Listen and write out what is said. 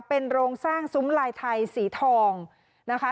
เป็นโรงสร้างซุ้มลายไทยสีทองนะคะ